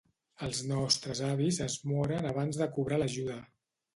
Els nostres avis es moren abans de cobrar l'ajuda